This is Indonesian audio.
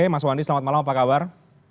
mas wandi selamat malam apa kabar